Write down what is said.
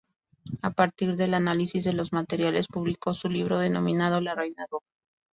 A partir del análisis de los materiales publicó su libro denominado la Reina Roja.